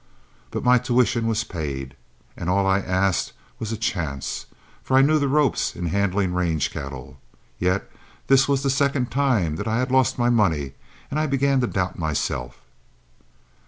But my tuition was paid, and all I asked was a chance, for I knew the ropes in handling range cattle. Yet this was the second time that I had lost my money and I began to doubt myself.